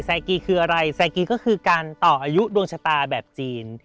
กีคืออะไรแซกีก็คือการต่ออายุดวงชะตาแบบจีน